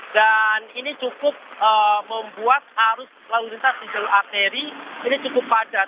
dan ini cukup membuat arus lalu lintas di jalur arteri ini cukup padat